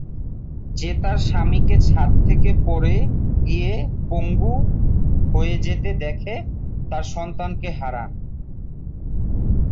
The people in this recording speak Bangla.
যে তার স্বামীকে ছাদ থেকে পড়ে গিয়ে পঙ্গু হয়ে যেতে দেখে তার সন্তানকে হারান।